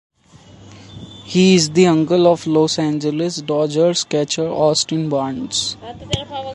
He is the uncle of Los Angeles Dodgers catcher Austin Barnes.